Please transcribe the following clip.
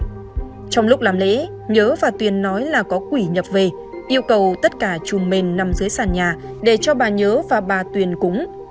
trong lúc làm lễ nhớ và tuyền nói là có quỷ nhập về yêu cầu tất cả chùm mình nằm dưới sàn nhà để cho bà nhớ và bà tuyền cúng